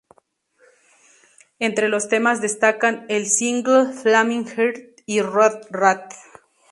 Entre los temas destacan el single "Flaming Heart" y "Road Rat".